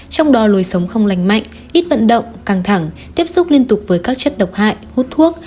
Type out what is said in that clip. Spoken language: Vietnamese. trong đó lối sống không lành mạnh ít vận động căng thẳng tiếp xúc liên tục với các chất độc hại hút thuốc